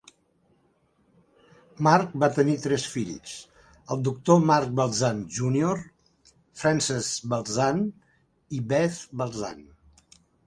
Marc va tenir tres fills: el doctor Marc Baltzan Jr, Frances Baltzan i Beth Baltzan.